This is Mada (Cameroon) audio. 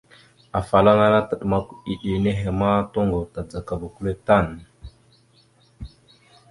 Afalaŋa taɗəmak eɗe henne ma, toŋgov tadzagaba kʉle tan.